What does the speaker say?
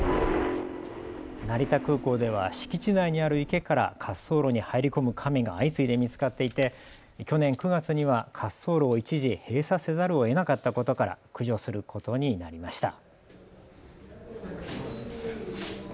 成田空港では敷地内にある池から滑走路には入り込むカメが相次いで見つかっていて去年９月には滑走路を一時、閉鎖せざるをえなかったことから駆除することになりました。